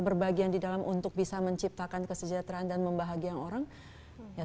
berbagian di dalam untuk bisa menciptakan kesejahteraan dan membahagiakan orang yang